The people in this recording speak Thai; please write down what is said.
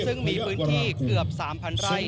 ซึ่งมีพื้นที่เกือบ๓๐๐ไร่